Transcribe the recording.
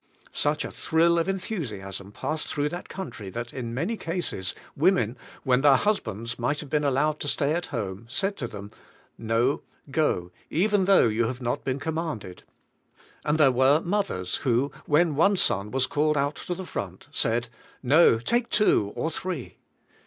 Such a thrill of enthusiasm passed through that countr}^ that in many cases women, when their husbands might have been allowed to stay at home^ said to them: "No, go, even though 3'Ou have not been commanded." And there were mothers who, when one son was called out to the front, said: "No, take two, three."